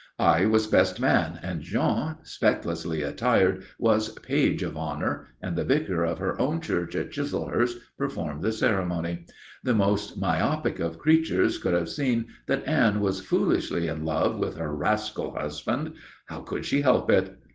I was best man and Jean, specklessly attired, was page of honour, and the vicar of her own church at Chislehurst performed the ceremony. The most myopic of creatures could have seen that Anne was foolishly in love with her rascal husband. How could she help it?